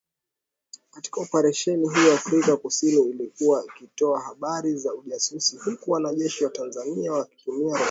Katika Oparesheni hiyo, Afrika kusini ilikuwa ikitoa habari za ujasusi huku wanajeshi wa Tanzania wakitumia roketi dhidi ya waasi hao